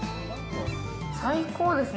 最高ですね。